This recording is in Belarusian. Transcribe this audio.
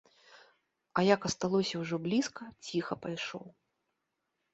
А як асталося ўжо блізка, ціха пайшоў.